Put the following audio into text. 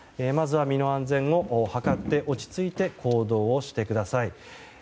まずは身の安全を図って落ち着いて行動をしてください。